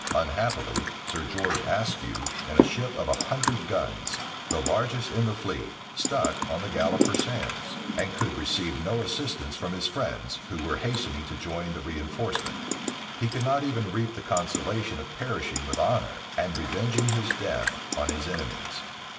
Unhappily, Sir George Ayscue, in a ship of a hundred guns, the largest in the fleet, struck on the Galloper sands, and could receive no assistance from his friends, who were hastening to join the reënforcement. He could not even reap the consolation of perishing with honor, and revenging his death on his enemies.